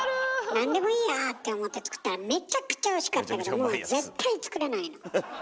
何でもいいやって思って作ったらめちゃくちゃおいしかったけどもう絶対作れないの。